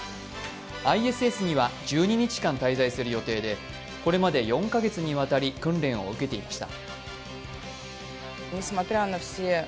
ＩＳＳには１２日間滞在する予定でこれまで４カ月にわたり訓練を受けていました。